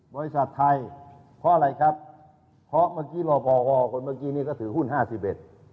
บริษัทไทยเพราะอะไรครับเพราะเมื่อกี้รอพอคนเมื่อกี้นี่ก็ถือหุ้นห้าสิบเอ็ด